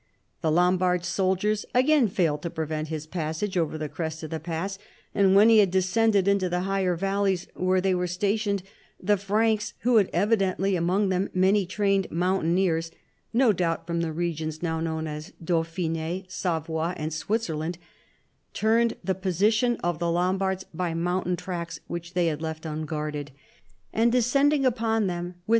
The Lom bard soldiers again failed to prevent his passage over the crest of the pass, and Avhen he had de scended into the higher valleys where they were stationed, the Franks, who had evidently among them many trained mountaineers (no doubt from the regions now known as Dauphine, Savoy, and Switzerland) turned the position of the Lombai'ds by mountain tracks which they had left unguarded, and descending upon them with tha.